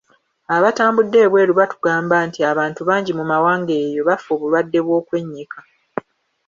Abatambudde ebweru batugamba nti abantu bangi mu mawanga eyo bafa obulwadde bw’okwennyika.